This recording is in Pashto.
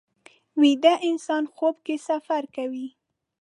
ویده انسان خوب کې سفر کوي